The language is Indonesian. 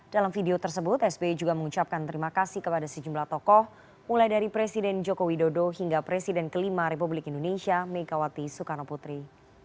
dalam video tersebut sbi juga mengucapkan terima kasih kepada sejumlah tokoh mulai dari presiden joko widodo hingga presiden kelima republik indonesia megawati soekarno putri